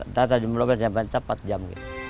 ntar tadi menurut saya sampai empat jam